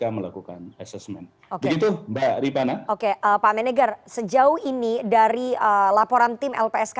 lpsk melakukan assessment begitu mbak ripana oke apa menegar sejauh ini dari laporan tim lpsk